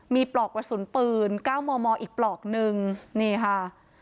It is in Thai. มีปลอกประสุนปืนเก้าหมออีกปลอกหนึ่งนี่ค่ะ